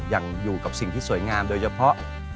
ยังอยู่กับสิ่งที่สวยงามโดยเฉพาะ